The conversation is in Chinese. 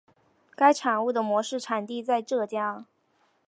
该物种的模式产地在浙江。